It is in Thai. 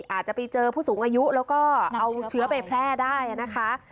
อาจจะไปเจอผู้สูงอายุแล้วก็เอาเชื้อไปแพร่ได้นะคะ